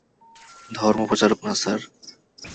ধর্মপ্রচারক না, স্যার।